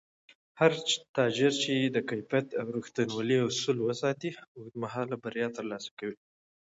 هر تاجر چې د کیفیت او رښتینولۍ اصول وساتي، اوږدمهاله بریا ترلاسه کوي